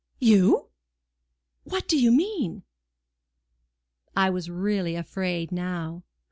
"You! What do you mean?" I was really afraid now.